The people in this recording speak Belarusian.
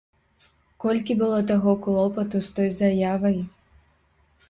Колькі было таго клопату з той заявай!